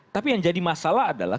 tapi yang jadi masalah adalah